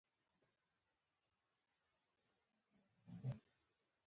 د بشري حقونو پراخ نقض له ځان سره درلود.